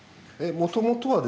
もともとはですね